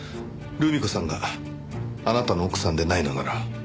留美子さんがあなたの奥さんでないのなら。